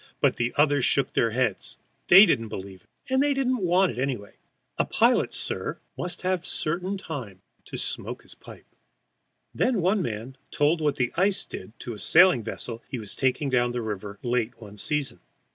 But the others shook their heads; they didn't believe it, and didn't want it anyway. A pilot, sir, must have a certain time to smoke his pipe! Then one man told what the ice did to a sailing vessel he was taking down the river late one season.